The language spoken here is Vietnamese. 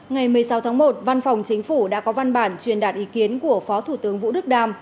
ngày một mươi sáu tháng một văn phòng chính phủ đã có văn bản truyền đạt ý kiến của phó thủ tướng vũ đức đam